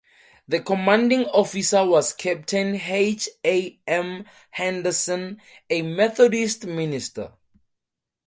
The commanding officer was Captain H. A. M. Henderson, a Methodist minister.